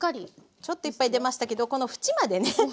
ちょっといっぱい出ましたけどこの縁までね